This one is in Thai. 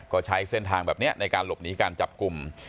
ก็ใช้เส้นทางแบบนี้ในการหลบหนีการจับกลุ่ม